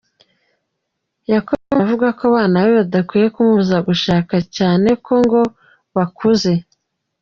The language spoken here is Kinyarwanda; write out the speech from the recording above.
Yakomeje avuga ko abana be badakwiye kumubuza gushaka cyane ko ngo bakuze.